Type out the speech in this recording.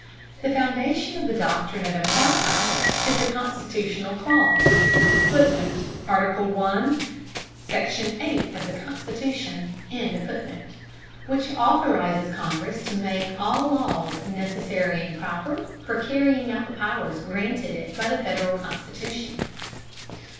The foundation of the doctrine of implied powers is the constitutional clause [Footnote: Article I, Section VIII, of the Constitution.] which authorizes Congress to make all laws "necessary and proper" for carrying out the powers granted it by the Federal Constitution.